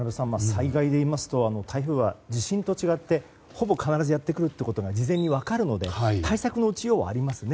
災害でいいますと台風は地震と違ってほぼ必ずやってくることが事前に分かるので対策の打ちようはありますね。